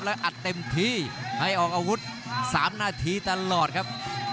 และอัดเต็มที่ให้ออกอาวุธ๓นาทีตลอดครับ